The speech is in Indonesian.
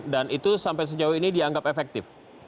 dan itu sampai sejauh ini dianggap efektif